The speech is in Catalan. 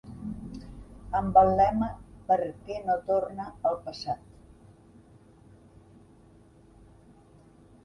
Amb el lema Perquè no torne el passat.